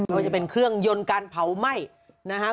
ก็จะเป็นเครื่องยนต์การเผาไหม้นะฮะ